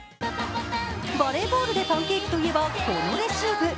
バレーボールでパンケーキといえばこのレシーブ。